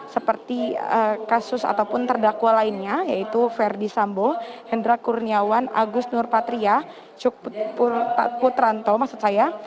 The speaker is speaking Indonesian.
seperti kasus ataupun terdakwa lainnya yaitu verdi sambo hendra kurniawan agus nurpatria cuk putranto maksud saya